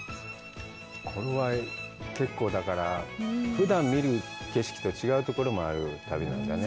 これは結構、ふだん見る景色と違うところもある旅なんだな。